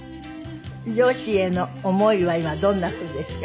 両親への思いは今どんなふうですか？